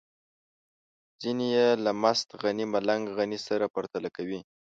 ځينې يې له مست غني ملنګ غني سره پرتله کوي.